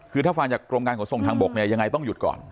คือถ้าฟังจากกรมการขนส่งทางบกเนี่ยยังไงต้องหยุดก่อน